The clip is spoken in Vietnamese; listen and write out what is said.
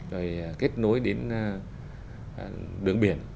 rồi kết nối đến đường biển